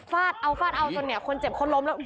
ฟาดเอาเอาจนเนี่ยคนเจ็บคนล้มแล้ว